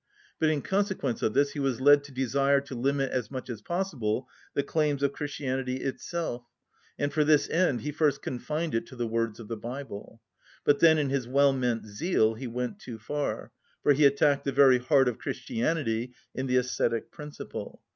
But in consequence of this he was led to desire to limit as much as possible the claims of Christianity itself, and for this end he first confined it to the words of the Bible; but then, in his well‐meant zeal, he went too far, for he attacked the very heart of Christianity in the ascetic principle.